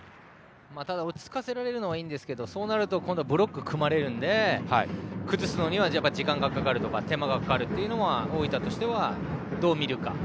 ただ、落ち着かせられるのはいいですがそうなると今度はブロックを組まれるので崩すのには時間がかかるとか手間がかかるというのは大分としてどう見るか。